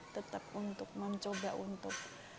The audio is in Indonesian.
tetap untuk mencoba untuk